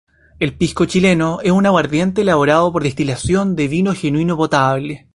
El pisco chileno es un aguardiente elaborado por destilación de vino genuino potable.